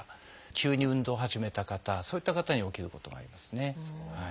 急に運動を始めた方そういった方に起きることがありますね。